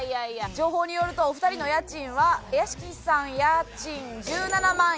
情報によるとお二人の家賃は屋敷さん家賃１７万円。